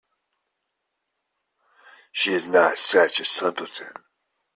She is not such a simpleton.